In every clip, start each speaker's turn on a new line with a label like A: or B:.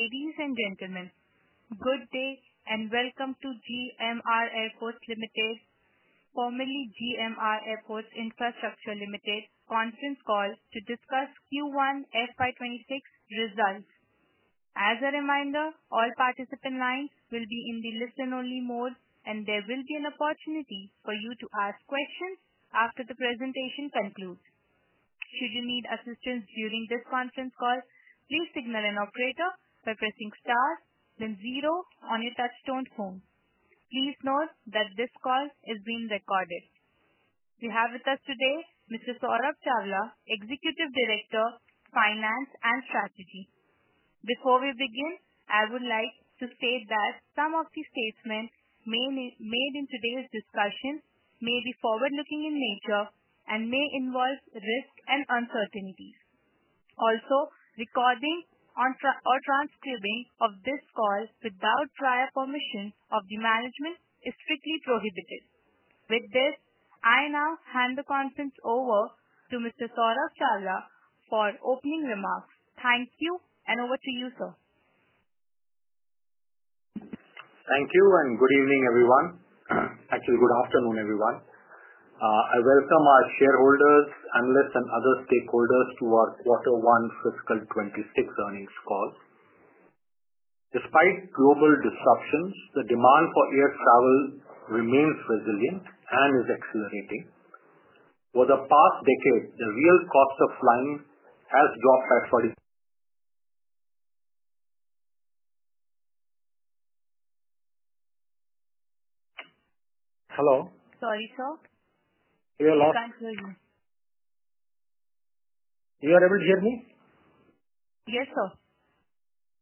A: Ladies and gentlemen, good day and welcome to GMR Airports Limited, formerly GMR Airports Infrastructure Conference Call to discuss Q1 FY2026 results. As a reminder, all participant lines will be in the listen-only mode, and there will be an opportunity for you to ask questions after the presentation concludes. Should you need assistance during Conference Call, please signal an operator by pressing star then zero on your touchstone phone. Please note that this call is being recorded. We have with us today Mr. Saurabh Chawla, Executive Director, Finance and Strategy. Before we begin, I would like to state that some of the statements made in today's discussion may be forward-looking in nature and may involve risk and uncertainties. Also, recording or transcribing of this call without prior permission of the management is strictly prohibited. With this, I now hand the conference over to Mr. Saurabh Chawla for opening remarks. Thank you, and over to you, sir.
B: Thank you, and good evening, everyone. Actually, good afternoon, everyone. I welcome our shareholders, analysts, and other stakeholders to our Q1 FY26 earnings call. Despite global disruptions, the demand for air travel remains resilient and is accelerating. For the past decade, the real cost of flying has dropped by 40%. Hello?
A: Sorry, sir?
B: We are lost.
A: We can't hear you.
B: Are you able to hear me?
A: Yes, sir.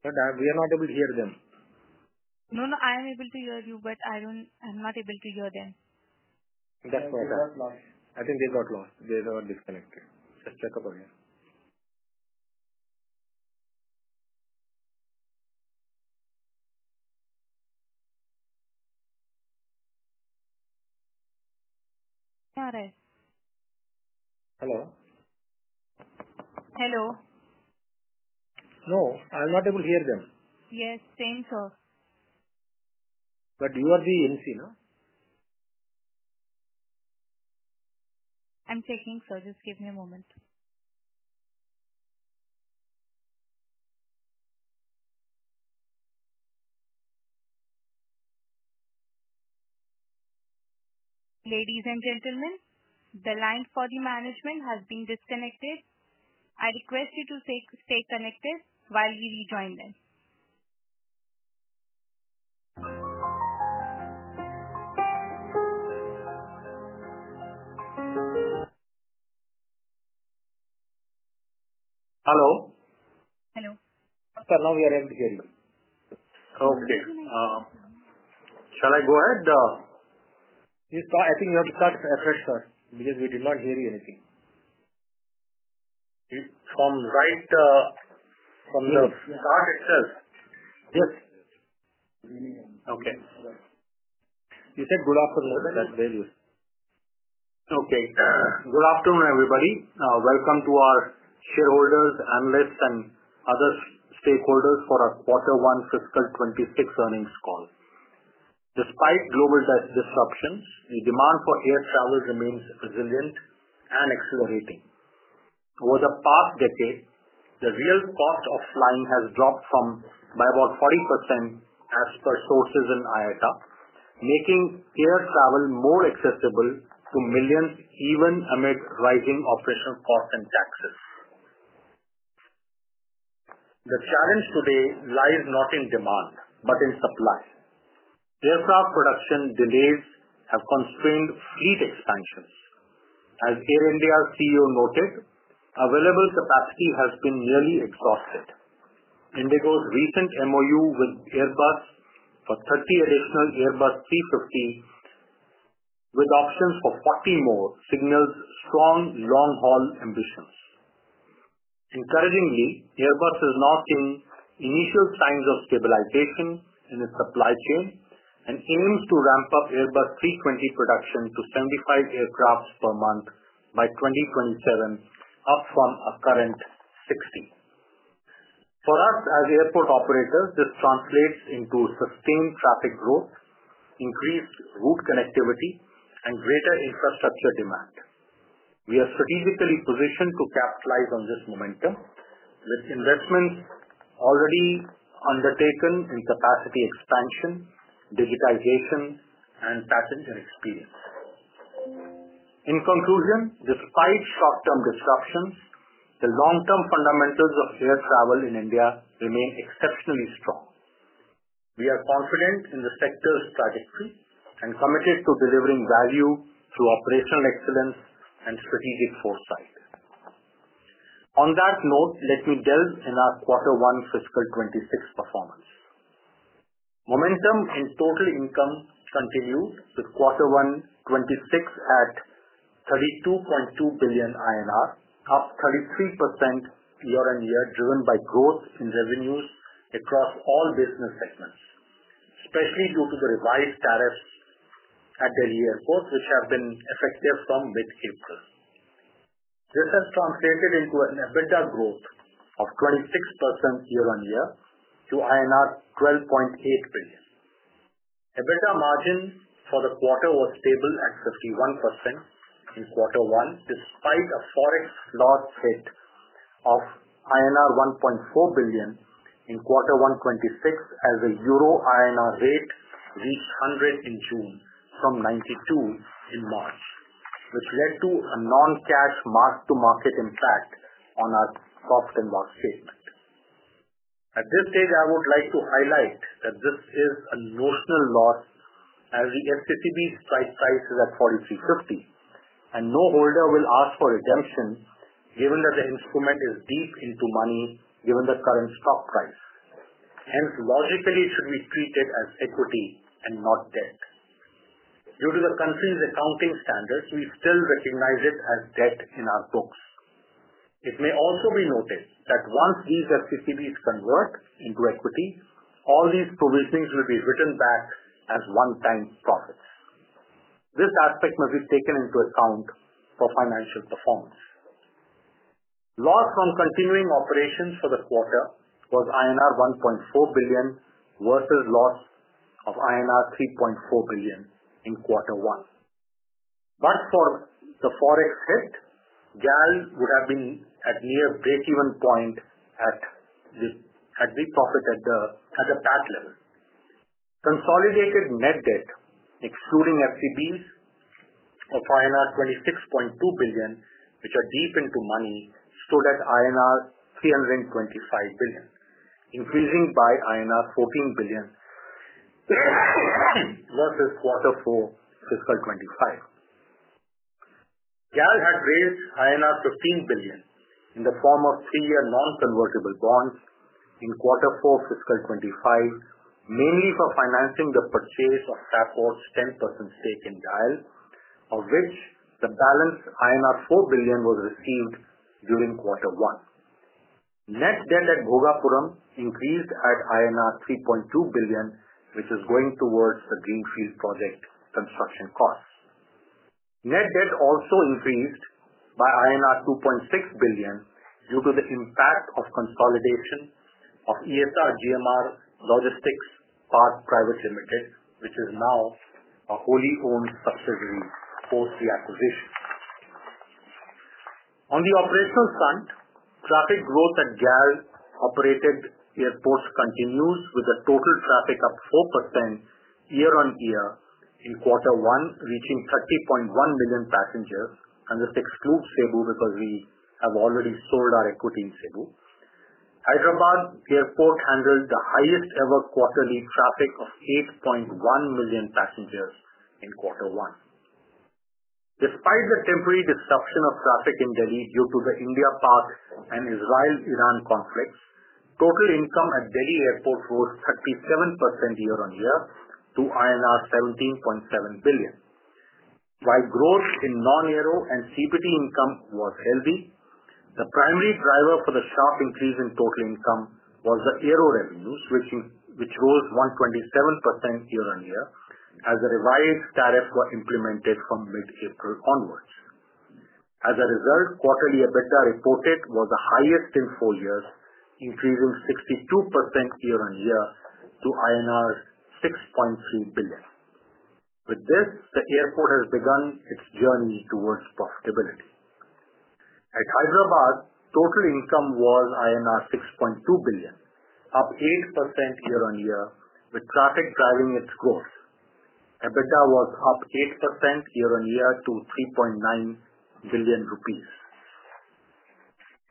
B: Good. We are not able to hear them.
A: No, no. I am able to hear you, but I'm not able to hear them.
B: That's okay.
C: I think they got lost. They were disconnected. Just check up again.
A: Yeah, right.
B: Hello?
A: Hello?
B: No, I'm not able to hear them.
A: Yes, same, sir.
B: You are the ANC, no?
A: I'm checking, sir. Just give me a moment. Ladies and gentlemen, the line for the management has been disconnected. I request you to stay connected while we rejoin them.
B: Hello?
A: Hello?
B: Sir, now we are able to hear you.
C: Okay.
B: Shall I go ahead? You have to start fresh, sir, because we did not hear you anything.
C: From right. From the. Start itself.
B: Yes.
C: Okay. You said good afternoon. That's very good.
B: Okay. Good afternoon, everybody. Welcome to our shareholders, analysts, and other stakeholders for our Q1 FY2026 earnings call. Despite global disruptions, the demand for air travel remains resilient and accelerating. Over the past decade, the real cost of flying has dropped by about 40%, as per sources in IATA, making air travel more accessible to millions even amid rising operational costs and taxes. The challenge today lies not in demand but in supply. Aircraft production delays have constrained fleet expansions. As Air India's CEO noted, available capacity has been nearly exhausted. IndiGo's recent MOU with Airbus for 30 additional Airbus A350, with options for 40 more, signals strong long-haul ambitions. Encouragingly, Airbus is now seeing initial signs of stabilization in its supply chain and aims to ramp up Airbus A320 production to 75 aircraft per month by 2027, up from a current 60. For us as airport operators, this translates into sustained traffic growth, increased route connectivity, and greater infrastructure demand. We are strategically positioned to capitalize on this momentum with investments already undertaken in capacity expansion, digitization, and passenger experience. In conclusion, despite short-term disruptions, the long-term fundamentals of air travel in India remain exceptionally strong. We are confident in the sector's trajectory and committed to delivering value through operational excellence and strategic foresight. On that note, let me delve in our Q1 FY2026 performance. Momentum in total income continued with Q1 FY2026 at 32.2 billion INR, up 33% Year-on-Year, driven by growth in revenues across all business segments, especially due to the revised tariffs at Delhi Airport, which have been effective from mid-April. This has translated into an EBITDA growth of 26% Year-on-Year to INR 12.8 billion. EBITDA margin for the quarter was stable at 51% in Q1 despite a forex loss hit of INR 1.4 billion in Q1 FY2026 as the Euro INR rate reached 100 in June from 92 in March, which led to a non-cash Mark-to-Market impact on our soft and soft statement. At this stage, I would like to highlight that this is a notional loss as the FCCB strike price is at 43.50, and no holder will ask for redemption given that the instrument is deep into money given the current stock price. Hence, logically, it should be treated as equity and not debt. Due to the country's accounting standards, we still recognize it as debt in our books. It may also be noted that once these FCCBs convert into equity, all these provisions will be written back as one-time profits. This aspect must be taken into account for financial performance. Loss from continuing operations for the quarter was INR 1.4 billion versus loss of INR 3.4 billion in Q1. If not for the forex hit, GAL would have been at near break-even point at the profit at the PAT level. Consolidated net debt, excluding FCCBs of INR 26.2 billion, which are deep into money, stood at INR 325 billion, increasing by INR 14 billion versus Q4 FY2025. GAL had raised 15 billion in the form of three-year non-convertible bonds in Q4 FY2025, mainly for financing the purchase of SAPP 10% stake in GAL, of which the balance INR 4 billion was received during Q1. Net debt at Bhogapuram increased at INR 3.2 billion, which is going towards the Greenfield project construction costs. Net debt also increased by INR 2.6 billion due to the impact of consolidation of ESR GMR Logistics Parks Private Limited, which is now a wholly owned subsidiary post-reacquisition. On the operational front, traffic growth at GAL-operated airports continues with a total traffic of 4% Year-on-Year in Q1, reaching 30.1 million passengers, and this excludes Cebu because we have already sold our equity in Cebu. Hyderabad Airport handled the highest-ever quarterly traffic of 8.1 million passengers in Q1. Despite the temporary disruption of traffic in Delhi due to the India-Pak and Israel-Iran conflicts, total income at Delhi Airport rose 37% Year-on-Year to INR 17.7 billion. While growth in non-aero and CPT income was healthy, the primary driver for the sharp increase in total income was the aero revenues, which rose 127% Year-on-Year as the revised tariffs were implemented from mid-April onwards. As a result, quarterly EBITDA reported was the highest in four years, increasing 62% Year-on-Year to INR 6.3 billion. With this, the airport has begun its journey towards profitability. At Hyderabad, total income was INR 6.2 billion, up 8% Year-on-Year, with traffic driving its growth. EBITDA was up 8% Year-on-Year to 3.9 billion rupees.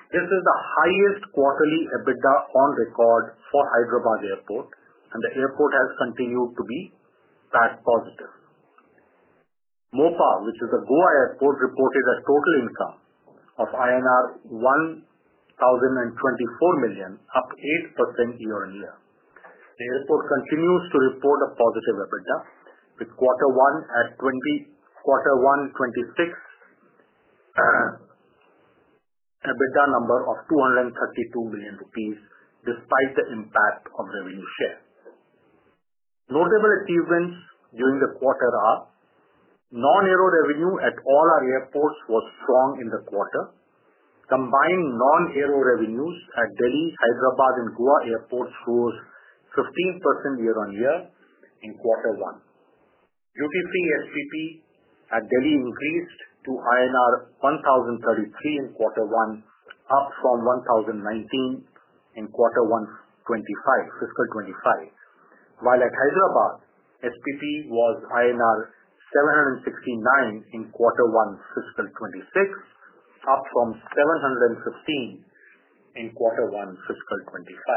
B: This is the highest quarterly EBITDA on record for Hyderabad Airport, and the airport has continued to be PAT positive. Mopa, which is the Goa Airport, reported a total income of INR 1,024 million, up 8% Year-on-Year. The airport continues to report a positive EBITDA, with Q1 FY2026 EBITDA number of 232 million rupees despite the impact of revenue share. Notable achievements during the quarter are. Non-aero revenue at all our airports was strong in the quarter. Combined non-aero revenues at Delhi, Hyderabad, and Goa Airports rose 15% Year-on-Year in Q1. UTC SPP at Delhi increased to INR 1,033 in Q1, up from 1,019 in Q1 FY25. While at Hyderabad, SPP was INR 769 in Q1 FY26, up from 715 in Q1 FY25.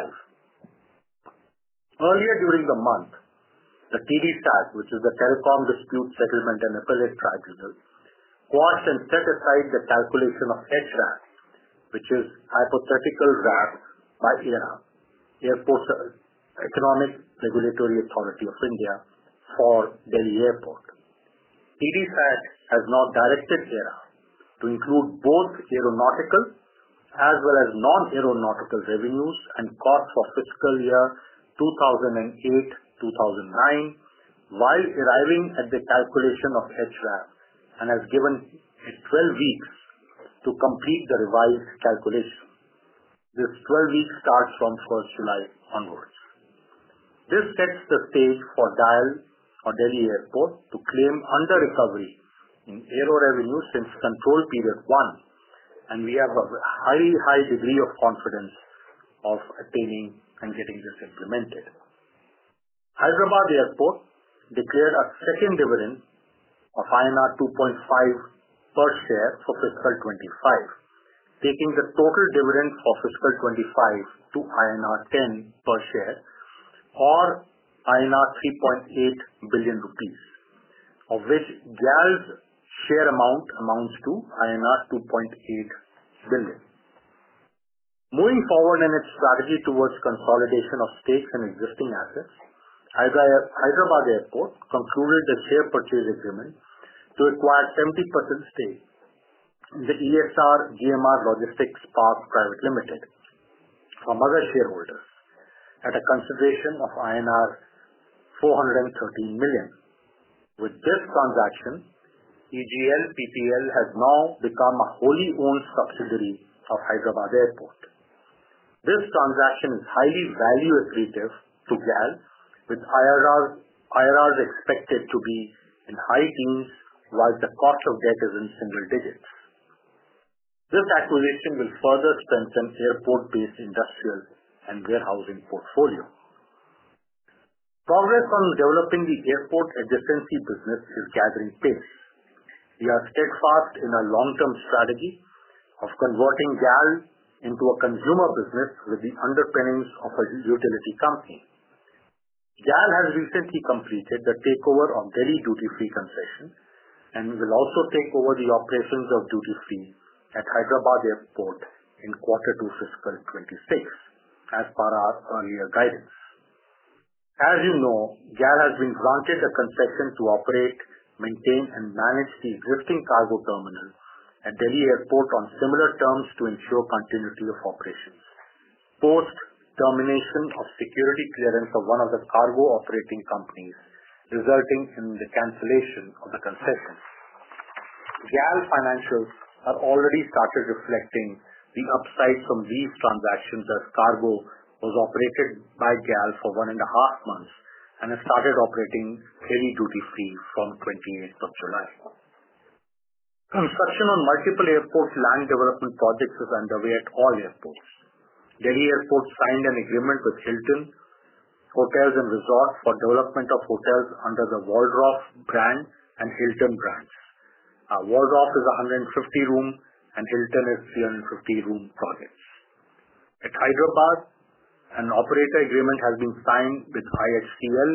B: Earlier during the month, the TDSAT, which is the Telecom Disputes Settlement and Appellate Tribunal, quashed and set aside the calculation of HRAB, which is Hypothetical Regulatory Asset Base, by AERA, Airports Economic Regulatory Authority of India, for Delhi Airport. TDSAT has now directed AERA to include both aeronautical as well as non-aeronautical revenues and costs for fiscal year 2008-2009 while arriving at the calculation of HRAB and has given it 12 weeks to complete the revised calculation. This 12 weeks starts from July 1 onwards. This sets the stage for GAL for Delhi Airport to claim under-recovery in aero revenue since control period one, and we have a high, high degree of confidence of attaining and getting this implemented. Hyderabad Airport declared a second dividend of INR 2.5 per share for fiscal 2025, taking the total dividend for fiscal 2025 to INR 10 per share or 3.8 billion rupees, of which GAL's share amounts to INR 2.8 billion. Moving forward in its strategy towards consolidation of stakes and existing assets, Hyderabad Airport concluded the share purchase agreement to acquire 70% stake in the ESR GMR Logistics Parks Private Limited from other shareholders at a consideration of INR 413 million. With this transaction, ESR GMR Logistics Parks Private Limited has now become a wholly owned subsidiary of Hyderabad Airport. This transaction is highly value-accretive to GAL, with IRRs expected to be in high teens while the cost of debt is in single digits. This acquisition will further strengthen airport-based industrial and warehousing portfolio. Progress on developing the airport adjacency business is gathering pace. We are steadfast in our long-term strategy of converting GAL into a consumer business with the underpinnings of a utility company. GAL has recently completed the takeover of Delhi Duty Free Concession and will also take over the operations of Duty Free at Hyderabad Airport in Q2 FY26 as per our earlier guidance. As you know, GAL has been granted a concession to operate, maintain, and manage the existing cargo terminal at Delhi Airport on similar terms to ensure continuity of operations. Post-termination of security clearance of one of the cargo operating companies resulting in the cancellation of the concession. GAL financials have already started reflecting the upside from these transactions as cargo was operated by GAL for one and a half months and has started operating heavy duty free from 28th of July. Construction on multiple airport land development projects is underway at all airports. Delhi Airport signed an agreement with Hilton Hotels and Resorts for development of hotels under the Waldorf brand and Hilton brands. Waldorf is a 150-room and Hilton is a 350-room projects. At Hyderabad, an operator agreement has been signed with IHCL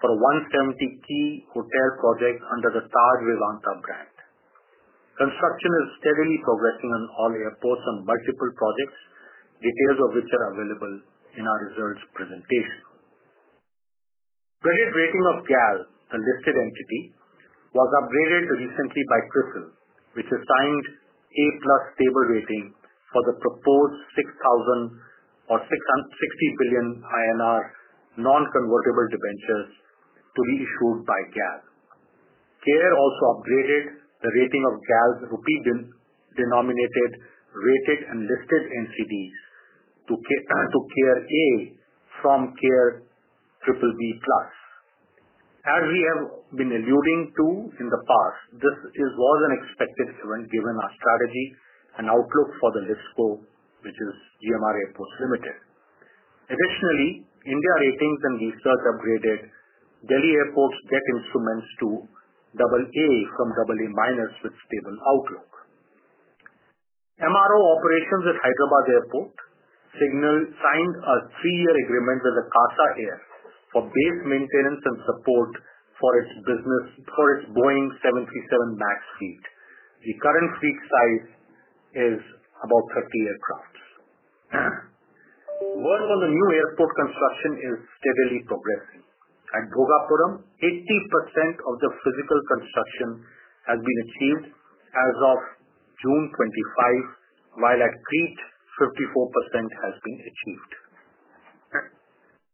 B: for a 170-key hotel project under the Taj Vivanta brand. Construction is steadily progressing on all airports on multiple projects, details of which are available in our results presentation. Credit rating of GAL, the listed entity, was upgraded recently by CRISIL, which has signed A-plus stable rating for the proposed 6,000 million or 660 billion INR non-convertible debentures to be issued by GAL. CARE also upgraded the rating of GAL's rupee-denominated rated and listed entities to CARE A from CARE BBB Plus. As we have been alluding to in the past, this was an expected event given our strategy and outlook for the LISCO, which is GMR Airports Limited. Additionally, India Ratings and Research upgraded Delhi Airport's debt instruments to AA from AA- with stable outlook. MRO operations at Hyderabad Airport signed a three-year agreement with Akasa Air for base maintenance and support for its Boeing 737 MAX fleet. The current fleet size is about 30 aircraft. Work on the new airport construction is steadily progressing. At Bhogapuram, 80% of the physical construction has been achieved as of June 25, while at Crete, 54% has been achieved.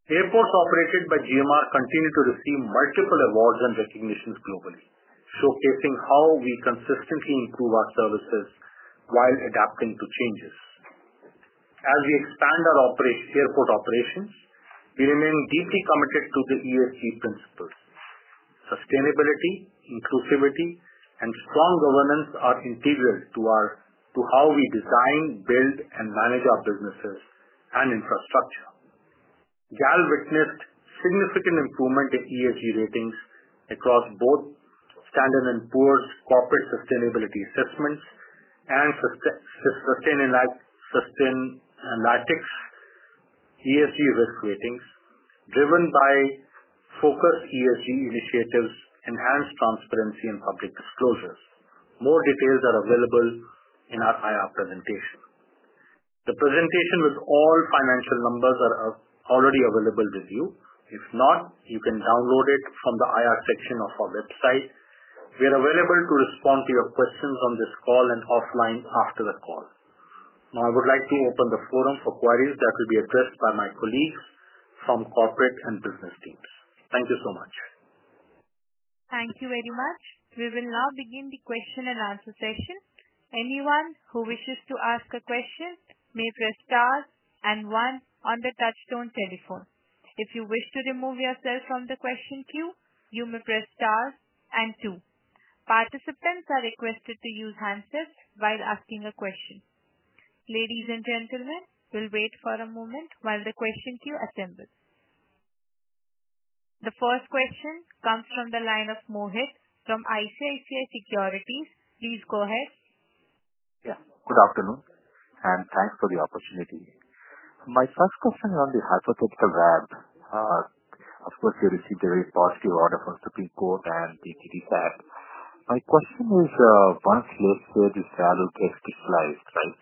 B: Airports operated by GMR continue to receive multiple awards and recognitions globally, showcasing how we consistently improve our services while adapting to changes. As we expand our airport operations, we remain deeply committed to the ESG principles. Sustainability, inclusivity, and strong governance are integral to how we design, build, and manage our businesses and infrastructure. GAL witnessed significant improvement in ESG ratings across both Standard & Poor's corporate sustainability assessments and Sustainalytics ESG risk ratings, driven by focused ESG initiatives, enhanced transparency, and public disclosures. More details are available in our IR presentation. The presentation with all financial numbers are already available with you. If not, you can download it from the IR section of our website. We are available to respond to your questions on this call and offline after the call. Now, I would like to open the forum for queries that will be addressed by my colleagues from corporate and business teams. Thank you so much.
A: Thank you very much. We will now begin the question and answer session. Anyone who wishes to ask a question may press star and one on the touchstone telephone. If you wish to remove yourself from the question queue, you may press star and two. Participants are requested to use handsets while asking a question. Ladies and gentlemen, we'll wait for a moment while the question queue assembles. The first question comes from the line of Mohit from ICICI Securities. Please go ahead.
C: Yeah. Good afternoon and thanks for the opportunity. My first question is on the hypothetical RAB. Of course, we received a very positive order from the Supreme Court and the TDSAT. My question is, once listed, this RAB gets digitalized, right?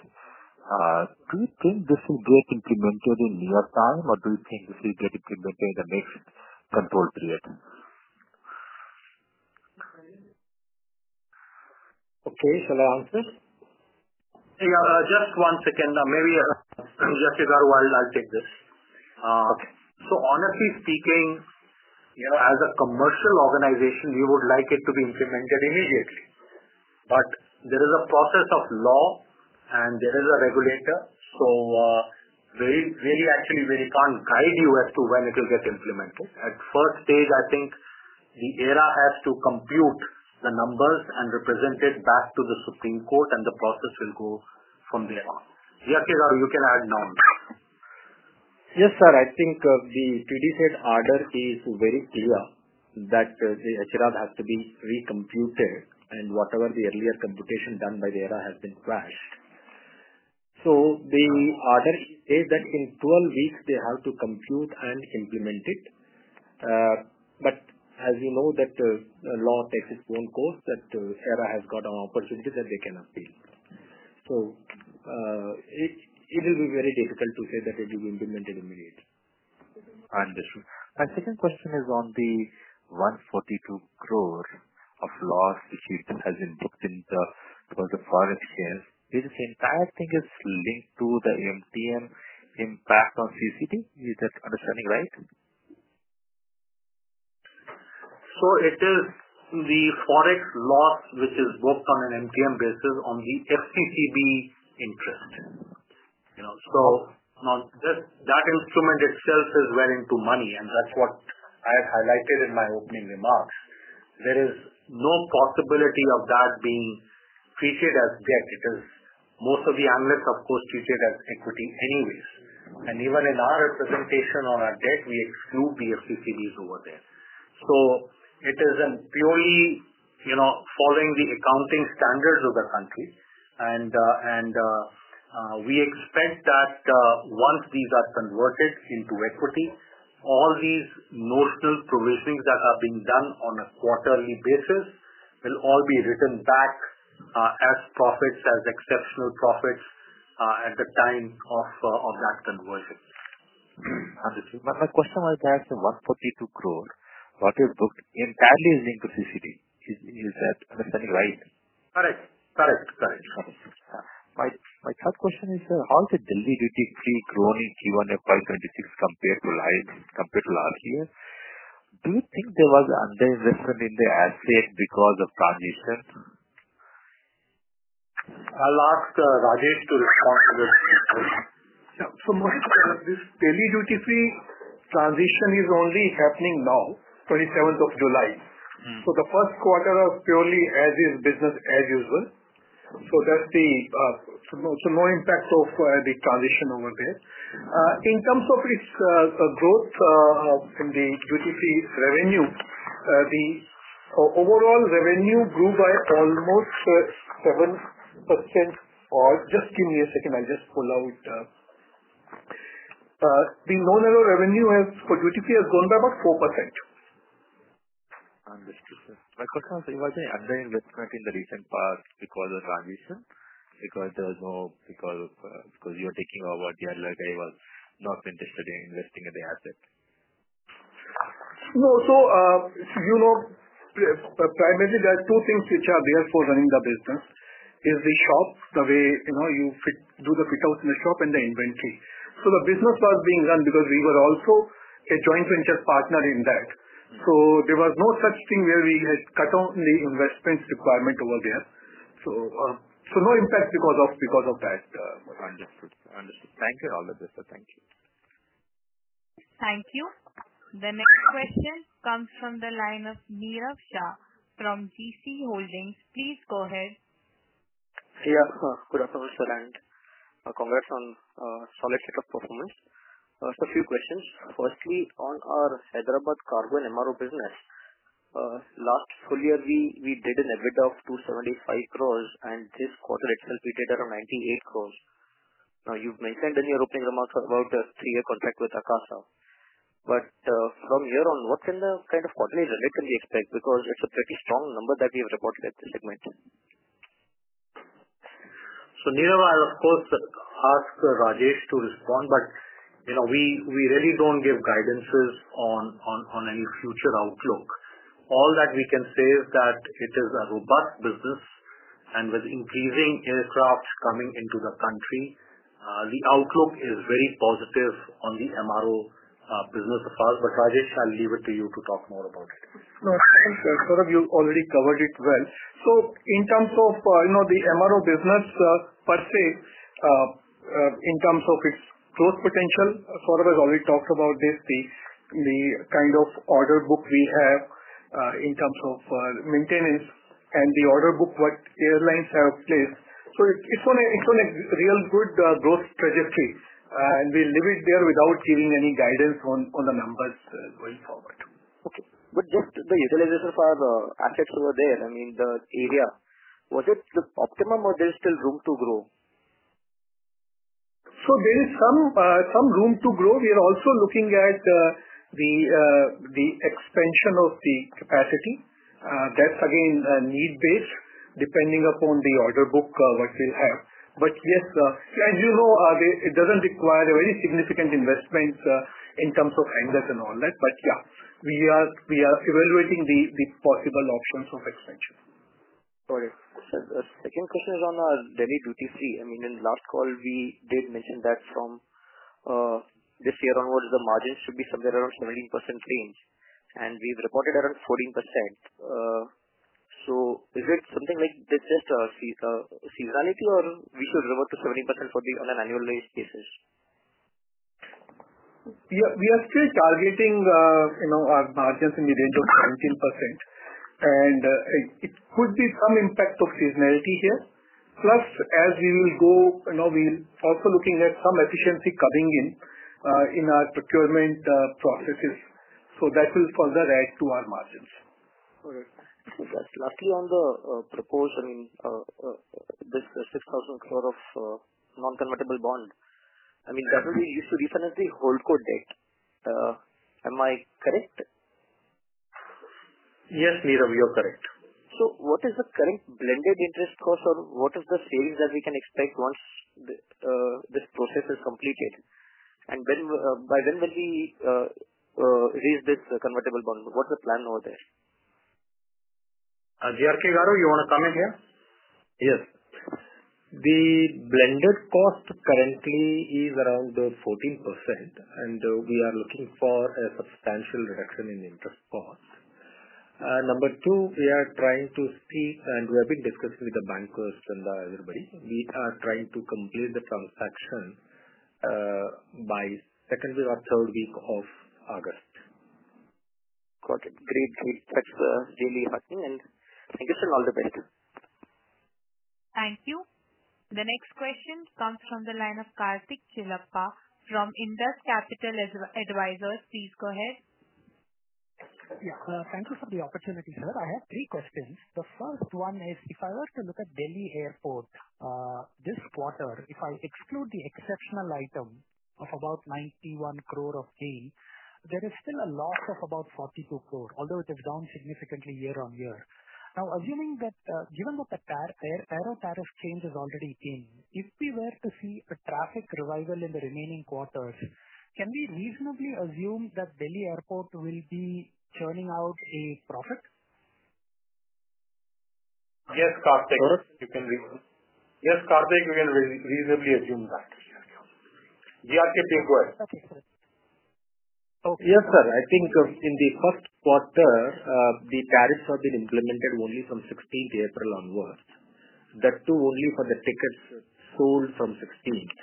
C: Do you think this will get implemented in near time, or do you think this will get implemented in the next control period? Okay. Shall I answer? Yeah. Just one second. Maybe just a while while I take this.
B: Okay. So honestly speaking. As a commercial organization, we would like it to be implemented immediately. But there is a process of law and there is a regulator, so. Really, actually, we can't guide you as to when it will get implemented. At first stage, I think the AERA has to compute the numbers and represent it back to the Supreme Court, and the process will go from there on. Yeah, KR, you can add now. Yes, sir. I think the TDSAT order is very clear that the HRAB has to be recomputed, and whatever the earlier computation done by the AERA has been trashed. So the order says that in 12 weeks, they have to compute and implement it. But as you know, the law takes its own course, that AERA has got an opportunity that they can appeal. So. It will be very difficult to say that it will be implemented immediately. Understood. My second question is on the 142 crore of loss which has been booked in the foreign shares. This entire thing is linked to the MTM impact on FCCB? Is that understanding right? So it is the forex loss which is booked on an MTM basis on the FCCB interest. So now that instrument itself is well into money, and that's what I had highlighted in my opening remarks. There is no possibility of that being treated as debt. Most of the analysts, of course, treat it as equity anyways. Even in our representation on our debt, we exclude the FCCBs over there. It is purely following the accounting standards of the country. We expect that once these are converted into equity, all these notional provisions that are being done on a quarterly basis will all be written back as profits, as exceptional profits at the time of that conversion.
C: Understood. My question was that 142 crore, what is booked entirely is linked to FCCB. Is that understanding right?
B: Correct. Correct.
C: Correct. My third question is, how is the Delhi Duty Free growing Q1 FY2026 compared to last year? Do you think there was an underinvestment in the asset because of transition?
B: I'll ask Rajesh to respond to this. Yeah.
C: So Mohit, this Delhi Duty Free transition is only happening now, 27th of July. The first quarter is purely as-is business as usual. There is no impact of the transition over there. In terms of its growth, in the Duty Free revenue, the overall revenue grew by almost 7%. Just give me a second. I'll just pull out. The non-aero revenue for Duty Free has gone by about 4%. Understood. My question was, was there any underinvestment in the recent past because of the transition? Because there was no, because you were taking over, the other guy was not interested in investing in the asset? No. Primarily, there are two things which are there for running the business. Is the shop, the way you do the fit-out in the shop and the inventory. The business was being run because we were also a joint venture partner in that. There was no such thing where we had cut down the investment requirement over there. No impact because of that. Understood. Understood. Thank you, Rajesh. Thank you.
A: Thank you. The next question comes from the line of Neerav Shah from GC Holdings. Please go ahead.
D: Yeah. Good afternoon, Saurabh. Congrats on a solid set of performance. Just a few questions. Firstly, on our Hyderabad cargo and MRO business. Last full year, we did a net bid of 275 crore, and this quarter itself, we did around 98 crore. Now, you've mentioned in your opening remarks about a three-year contract with Akasa. From here on, what can the kind of quarterly revenue expect? Because it's a pretty strong number that we have reported at this segment.
B: So Neerav, I'll, of course, ask Rajesh to respond, but we really don't give guidances on. Any future outlook. All that we can say is that it is a robust business. With increasing aircraft coming into the country, the outlook is very positive on the MRO business of ours. Rajesh, I'll leave it to you to talk more about it.
D: No, thank you. Saurabh, you already covered it well. In terms of the MRO business per sale, in terms of its growth potential, Saurabh has already talked about this, the kind of order book we have in terms of maintenance and the order book airlines have placed. It is on a real good growth trajectory. We'll leave it there without giving any guidance on the numbers going forward. Okay. Just the utilization of our assets over there, I mean, the area, was it optimum or is there still room to grow? There is some room to grow. We are also looking at the expansion of the capacity. That's, again, need-based depending upon the order book we will have. Yes, as you know, it does not require a very significant investment in terms of handlers and all that. We are evaluating the possible options of expansion.
C: Sorry. The second question is on our Delhi Duty Free. In the last call, we did mention that from this year onwards, the margin should be somewhere around the 17% range. We have reported around 14%. Is it something like this is just seasonality, or should we revert to 17% on an annualized basis?
D: Yeah. We are still targeting our margins in the range of 17%. It could be some impact of seasonality here. Plus, as we go, we are also looking at some efficiency coming in our procurement processes. That will further add to our margins. All right. Just quickly on the proposal.
C: This 6,000 crore of non-convertible bond, that will be used to refinance the Holdco debt. Am I correct? Yes, Neerav, you're correct. What is the current blended interest cost, or what is the savings that we can expect once this process is completed? By when will we raise this convertible bond? What's the plan over there?
B: G.R.K. Rao, you want to comment here? Yes.
D: The blended cost currently is around 14%, and we are looking for a substantial reduction in interest cost. Number two, we are trying to see, and we have been discussing with the bankers and everybody, we are trying to complete the transaction by second week or third week of August. Got it. Great. Great. That's the DIAL hearting. Thank you for all the best. Thank you. The next question comes from the line of Karthik Chivukula from Indus Capital Advisors. Please go ahead. Yeah.
E: Thank you for the opportunity, sir. I have three questions. The first one is, if I were to look at Delhi Airport. This quarter, if I exclude the exceptional item of about 910 million of gain, there is still a loss of about 420 million, although it is down significantly year on year. Now, assuming that given that the air tariff change has already been, if we were to see a traffic revival in the remaining quarters, can we reasonably assume that Delhi Airport will be churning out a profit?
B: Yes, Karthik. You can read one. Yes, Karthik, we can reasonably assume that. G.R.K., please go ahead. Okay. Yes, sir. I think in the first quarter, the tariffs have been implemented only from 16th April onwards. That too only for the tickets sold from 16th.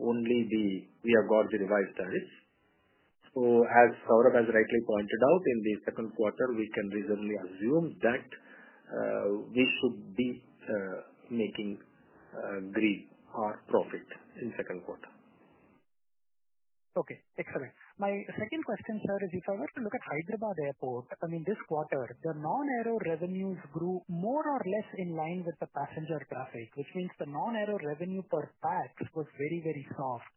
B: Only we have got the revised tariffs. As Saurabh has rightly pointed out, in the second quarter, we can reasonably assume that. We should be making green our profit in the second quarter.
E: Okay. Excellent. My second question, sir, is if I were to look at Hyderabad Airport, I mean, this quarter, the non-aero revenues grew more or less in line with the passenger traffic, which means the non-aero revenue per pax was very, very soft.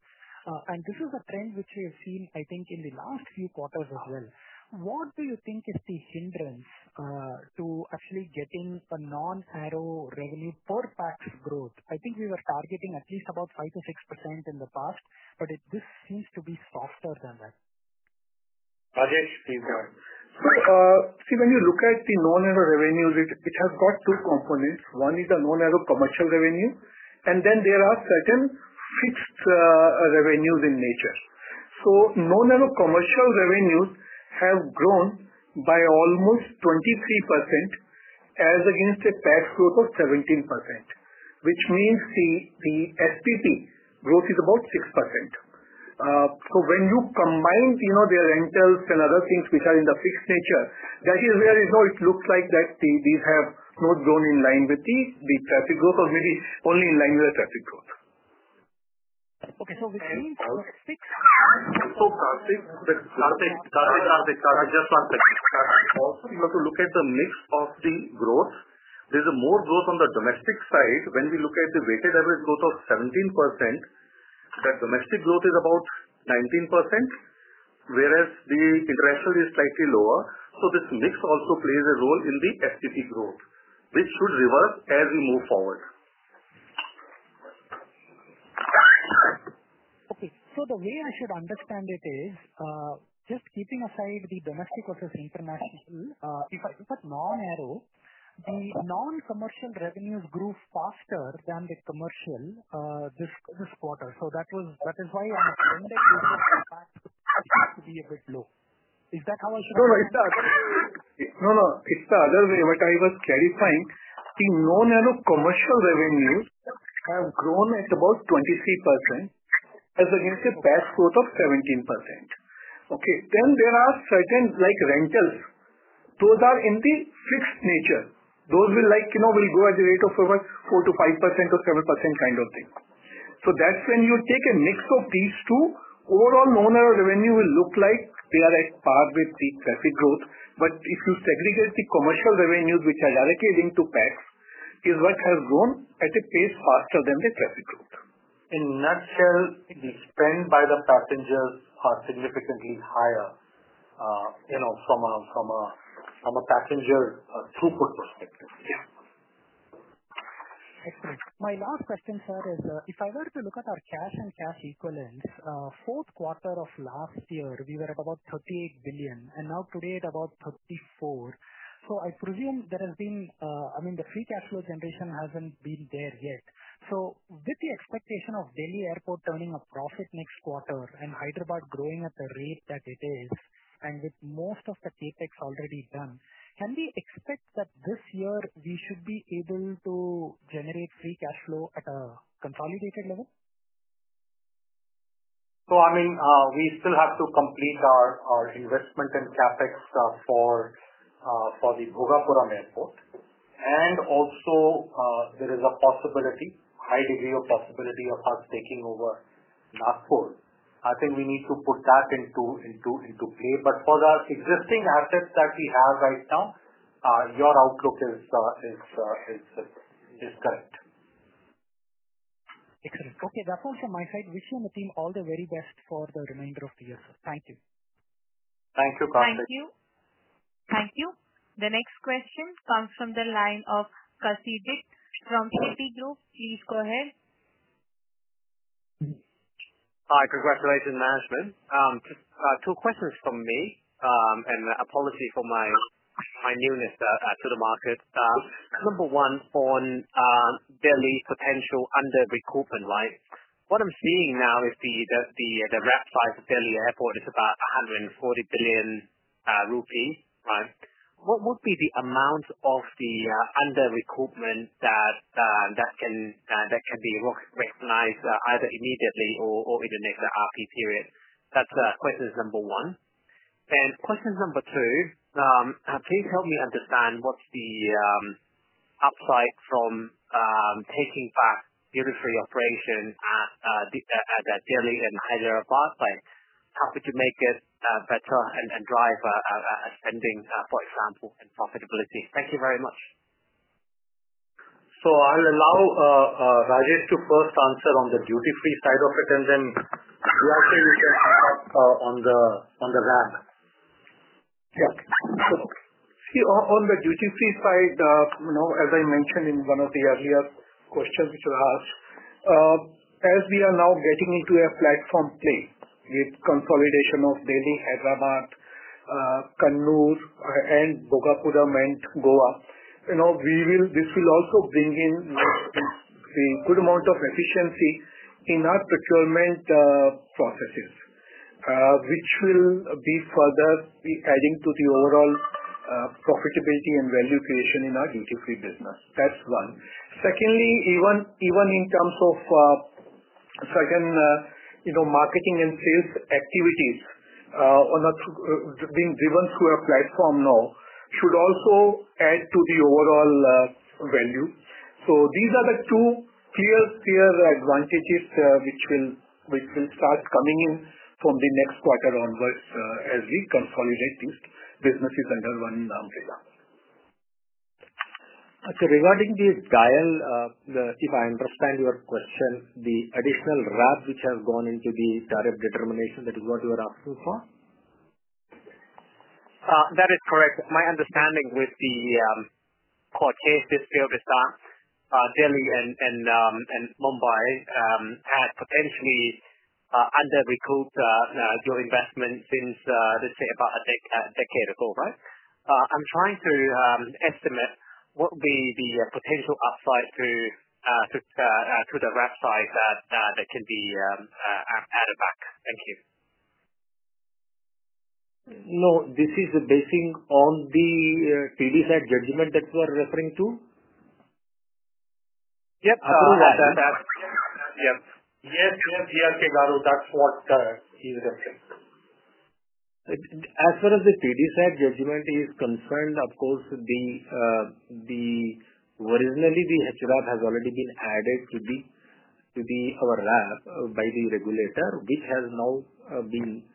E: This is a trend which we have seen, I think, in the last few quarters as well. What do you think is the hindrance to actually getting a non-aero revenue per pax growth? I think we were targeting at least about 5-6% in the past, but this seems to be softer than that.
D: Rajesh, please go ahead. See, when you look at the non-aero revenues, it has got two components. One is the non-aero commercial revenue, and then there are certain fixed revenues in nature. Non-aero commercial revenues have grown by almost 23%. As against a pax growth of 17%, which means the SPP growth is about 6%. When you combine their rentals and other things which are in the fixed nature, that is where it looks like that these have not grown in line with the traffic growth or maybe only in line with the traffic growth. Okay. We are seeing fixed growth. Karthik, just one second. Karthik, also if you were to look at the mix of the growth, there is more growth on the domestic side. When we look at the weighted average growth of 17%. That domestic growth is about 19%, whereas the international is slightly lower. So this mix also plays a role in the SPP growth, which should reverse as we move forward.
E: Okay. The way I should understand it is, just keeping aside the domestic versus international, if I look at non-aero, the non-commercial revenues grew faster than the commercial this quarter. That is why on a blended basis, the pax growth seems to be a bit low. Is that how I should understand it?
D: No, no. It is the other way, what I was clarifying. The non-aero commercial revenues have grown at about 23% as against a pax growth of 17%. Okay. Then there are certain rentals. Those are of the fixed nature. Those will go at a rate of about 4-5% or 7% kind of thing. When you take a mix of these two, overall non-aero revenue will look like they are at par with the traffic growth. If you segregate the commercial revenues, which are directly linked to pax, that is what has grown at a pace faster than the traffic growth. In a nutshell, the spend by the passengers is significantly higher from a passenger throughput perspective.
E: Yeah. Excellent. My last question, sir, is if I were to look at our cash and cash equivalents, fourth quarter of last year, we were at about 38 billion, and now today at about 34 billion. I presume there has been—I mean, the free cash flow generation has not been there yet. With the expectation of Delhi Airport turning a profit next quarter and Hyderabad growing at the rate that it is, and with most of the CapEx already done, can we expect that this year we should be able to generate free cash flow at a consolidated level?
B: I mean, we still have to complete our investment in CapEx for the Bhogapuram Airport. Also, there is a possibility, high degree of possibility, of us taking over Nagpur. I think we need to put that into play. For the existing assets that we have right now, your outlook is correct.
E: Excellent. Okay. That is all from my side. Wish you and the team all the very best for the remainder of the year, sir. Thank you.
B: Thank you, Karthik.
A: Thank you. Thank you. The next question comes from the line of Kasidit from Citigroup. Please go ahead.
F: Hi. Congratulations, Management. Just two questions from me and apologies for my newness to the market. Number one, on Delhi's potential under-recovery, right? What I am seeing now is the RAB size of Delhi Airport is about 140 billion rupees, right? What would be the amount of the under-recovery that can be recognized either immediately or in the next control period? That's question number one. Question number two, please help me understand what's the upside from taking back unitary operation at Delhi and Hyderabad? How could you make it better and drive a spending, for example, and profitability? Thank you very much.
B: I'll allow Rajesh to first answer on the duty-free side of it, and then we actually can pick up on the RAB. Yeah. On the duty-free side, as I mentioned in one of the earlier questions which was asked, as we are now getting into a platform play with consolidation of Delhi, Hyderabad, Kannur, Bhogapuram, and Goa, this will also bring in a good amount of efficiency in our procurement processes, which will be further adding to the overall profitability and value creation in our duty-free business. That's one. Secondly, even in terms of certain marketing and sales activities being driven through a platform now should also add to the overall value. These are the two clear advantages which will start coming in from the next quarter onwards as we consolidate these businesses under one umbrella. Regarding the DIAL—if I understand your question—the additional RAB which has gone into the tariff determination, that is what you are asking for?
F: That is correct. My understanding with the court case is still that Delhi and Mumbai had potentially under-recouped your investment since, let's say, about a decade ago, right? I'm trying to estimate what would be the potential upside to the RAB side that can be added back. Thank you.
B: No, this is basing on the TDSAT judgment that you are referring to. Yep. Yep. Yep. Yep. G.R.K Rao, that's what he's referring to. As far as the TDSAT judgment is concerned, of course, originally the HRAB has already been added to our RAB by the regulator, which has now been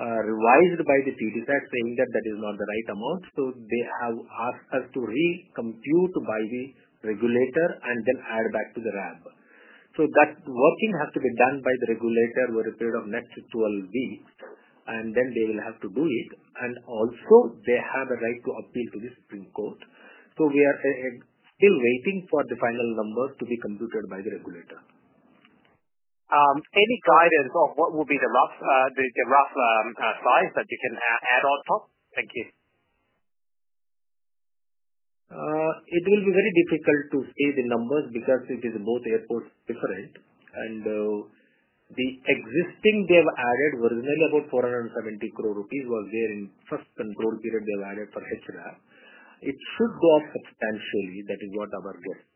B: revised by the TDSAT, saying that that is not the right amount. They have asked us to recompute by the regulator and then add back to the RAB. That working has to be done by the regulator over a period of next 12 weeks, and then they will have to do it. Also, they have a right to appeal to the Supreme Court. We are still waiting for the final numbers to be computed by the regulator. Any guidance on what would be the rough size that you can add on top? Thank you. It will be very difficult to see the numbers because it is both airports different. And. The existing, they have added originally about 470 crore rupees was there in the first control period. They have added for HRAB. It should go up substantially. That is what our guess is.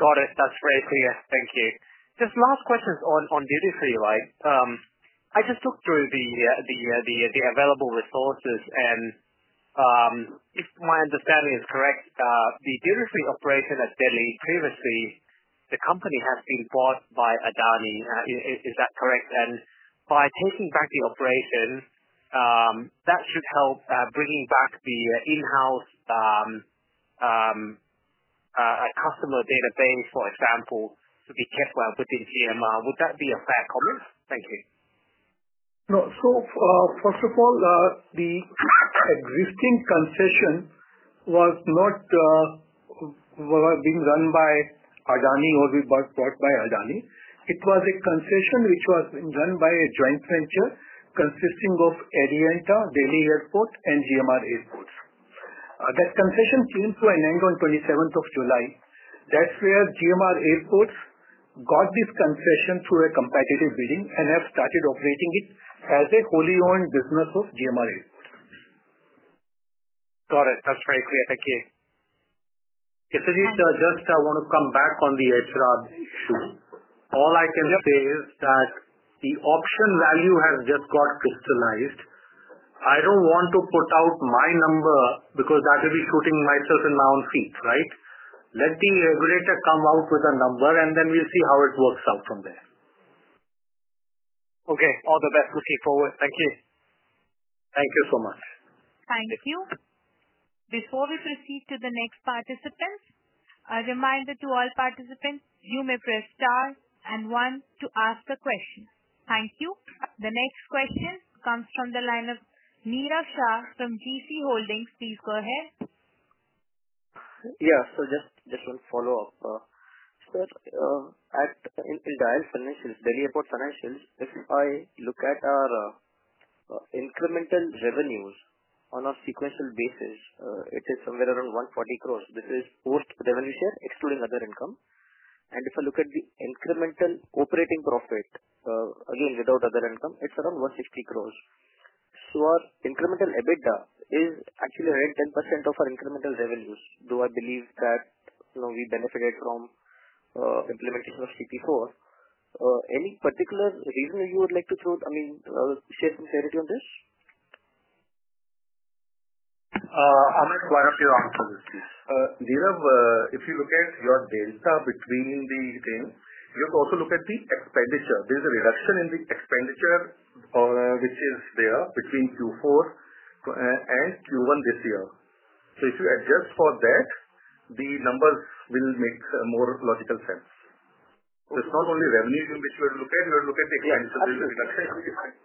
G: Got it. That is very clear. Thank you.
B: Just last questions on duty-free, right? I just looked through the available resources, and if my understanding is correct, the duty-free operation at Delhi previously, the company has been bought by Adani Group. Is that correct? And by taking back the operation, that should help bringing back the in-house customer database, for example, to be kept within GMR. Would that be a fair comment? Thank you.
C: No. So first of all, the existing concession was not being run by Adani Group or was bought by Adani Group. It was a concession which was done by a joint venture consisting of Adani Group, Delhi Airport, and GMR Airports.
B: That concession came to an end on 27th of July. That is where GMR Airports got this concession through a competitive bidding and have started operating it as a wholly owned business of GMR Airports.
D: Got it. That is very clear. Thank you.
B: Yes, indeed. Just want to come back on the HRAB issue. All I can say is that the option value has just got crystallized. I do not want to put out my number because that will be shooting myself in my own feet, right? Let the regulator come out with a number, and then we will see how it works out from there. Okay. All the best looking forward. Thank you.
E: Thank you so much.
A: Thank you. Before we proceed to the next participants, a reminder to all participants, you may press star and one to ask a question. Thank you. The next question comes from the line of Meera Shah from GC Holdings. Please go ahead.
H: Yeah. Just one follow-up. In Delhi Airport financials, if I look at our incremental revenues on a sequential basis, it is somewhere around 140 crore. This is post-revenue share, excluding other income. If I look at the incremental operating profit, again, without other income, it is around 160 crore. So our incremental EBITDA is actually around 10% of our incremental revenues. Do I believe that we benefited from implementation of CP4? Any particular reason you would like to throw—I mean, share some clarity on this?
B: I am ready for quite a few answers, please. If you look at your delta between the things, you have to also look at the expenditure. There is a reduction in the expenditure which is there between Q4 and Q1 this year.
I: If you adjust for that, the numbers will make more logical sense. It's not only revenue which you have to look at. You have to look at the expenditure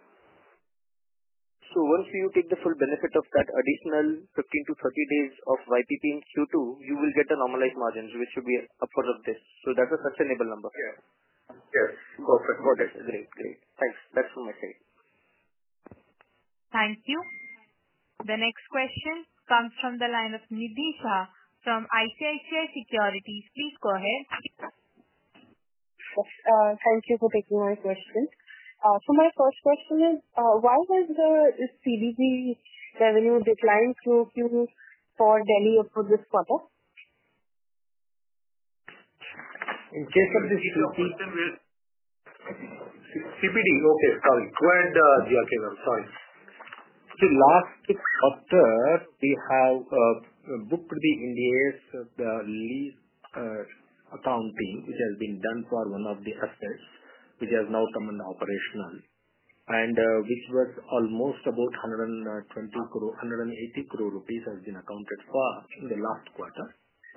I: reduction. Once you take the full benefit of that additional 15-30 days of YPP in Q2, you will get normalized margins, which should be upward of this. That's a sustainable number. Yes. Yes. Perfect. Got it. Great. Great. Thanks. That's from my side.
A: Thank you. The next question comes from the line of Nidhi from ICICI Securities. Please go ahead.
C: Thank you for taking my question. My first question is, why was the CBD revenue decline through Q4 for Delhi Airport this quarter? In case of the CBD. CBD.
B: Okay. Sorry. Go ahead, G.R.K. I'm sorry. Last quarter, we have booked the NCDs lease accounting, which has been done for one of the assets, which has now come under operational, and which was almost about 1.8 billion rupees has been accounted for in the last quarter.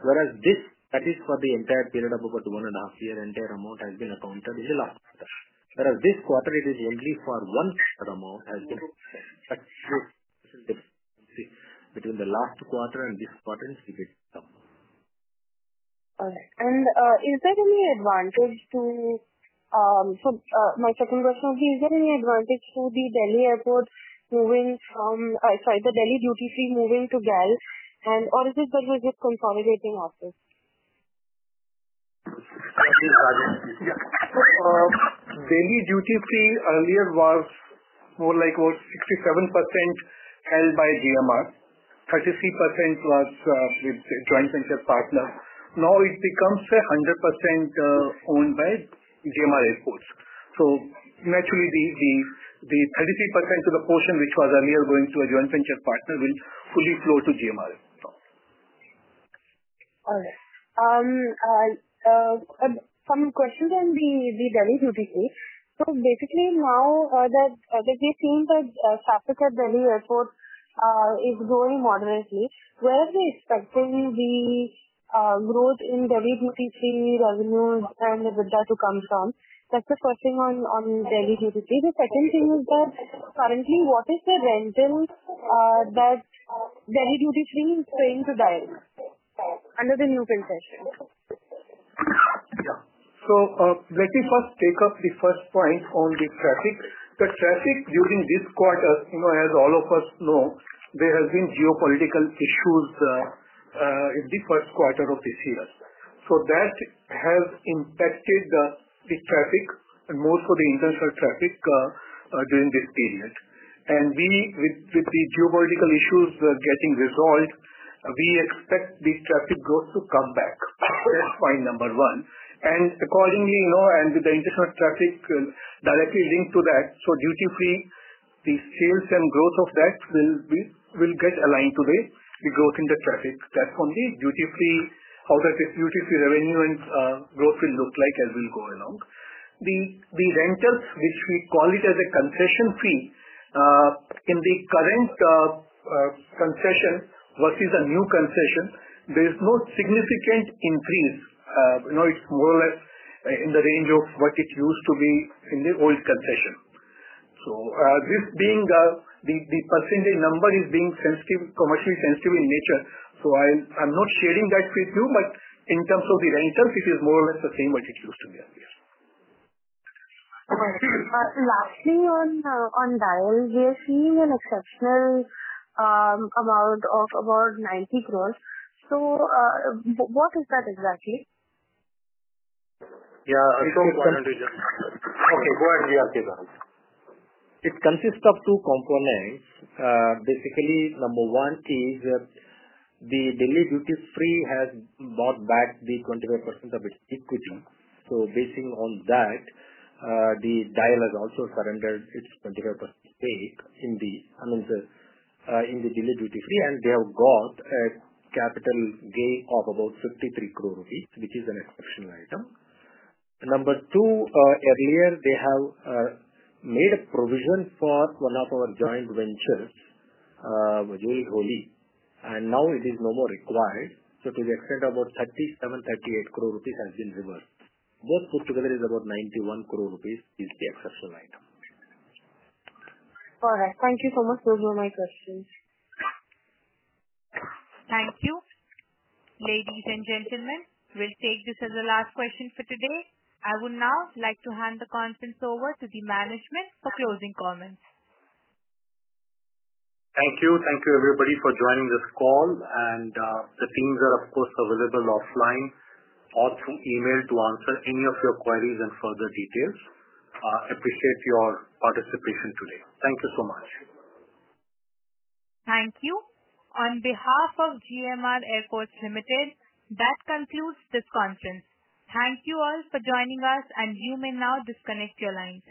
B: That is for the entire period of about one and a half years, entire amount has been accounted in the last quarter. This quarter, it is only for one quarter amount has been accounted. The difference between the last quarter and this quarter is significant.
J: Got it. Is there any advantage to— My second question would be, is there any advantage to the Delhi Airport moving from—sorry, the Delhi duty-free moving to GMR Airports Limited? Or is it better with consolidating assets?
C: Thank you, Rajesh.
G: Yeah. Delhi duty-free earlier was more like about 67% held by GMR. 33% was with the joint venture partner. Now it becomes 100% owned by GMR Airports. Naturally, the 33% portion which was earlier going to a joint venture partner will fully flow to GMR Airports. Got it. Some questions on the Delhi duty-free. Now that we've seen that traffic at Delhi Airport is growing moderately, where are we expecting the growth in Delhi duty-free revenues and EBITDA to come from? That's the first thing on Delhi duty-free. The second thing is that currently, what is the rental that Delhi duty-free is paying to DIAL under the new concession? Yeah. Let me first take up the first point on the traffic. The traffic during this quarter, as all of us know, there have been geopolitical issues in the first quarter of this year. That has impacted the traffic, and more so the international traffic during this period. With the geopolitical issues getting resolved, we expect the traffic growth to come back. That's point number one. Accordingly, and with the international traffic directly linked to that, duty-free, the sales and growth of that will get aligned to the growth in the traffic. That is on the duty-free, how that duty-free revenue and growth will look like as we go along. The rentals, which we call a concession fee. In the current concession versus a new concession, there is no significant increase. It is more or less in the range of what it used to be in the old concession. This being, the percentage number is commercially sensitive in nature, so I am not sharing that with you, but in terms of the rentals, it is more or less the same as it used to be earlier. Got it.
J: Lastly, on DIAL, we are seeing an exceptional amount of about 90 crore. What is that exactly?
B: Yeah. Go ahead, G.R.K. Rao. It consists of two components. Basically, number one is, the Delhi duty-free has bought back 25% of its equity. Basing on that, the DIAL has also surrendered its 25% stake in the Delhi duty-free, and they have got a capital gain of about 53 crore rupees, which is an exceptional item. Number two, earlier, they have made a provision for one of our joint ventures, Majori Holi, and now it is no more required. To the extent of about 37-38 crore rupees has been reversed. Both put together is about 91 crore rupees as the exceptional item.
J: All right. Thank you so much. Those were my questions.
A: Thank you. Ladies and gentlemen, we will take this as the last question for today. I would now like to hand the conference over to the management for closing comments.
B: Thank you. Thank you, everybody, for joining this call. The teams are, of course, available offline or through email to answer any of your queries and further details. Appreciate your participation today. Thank you so much.
A: Thank you. On behalf of GMR Airports Limited, that concludes this conference. Thank you all for joining us, and you may now disconnect your lines.